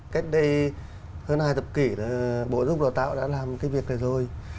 cách đây hơn hai thập kỷ là bộ giúp đào tạo đã làm cái việc này rồi